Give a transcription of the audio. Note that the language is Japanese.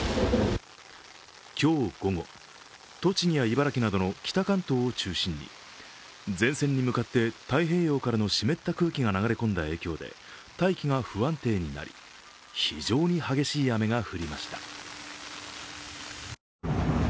今日午後、栃木や茨城などの北関東を中心に前線に向かって太平洋からの湿った空気が流れ込んだ影響で大気が不安定になり非常に激しい雨が降りました。